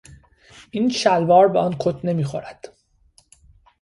این شلوار به آن کت نمیخورد.